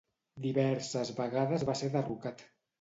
Diverses vegades va ser derrocat.